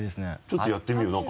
ちょっとやってみようよ